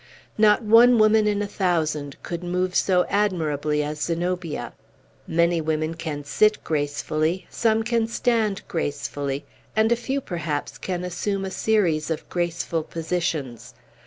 Not one woman in a thousand could move so admirably as Zenobia. Many women can sit gracefully; some can stand gracefully; and a few, perhaps, can assume a series of graceful positions.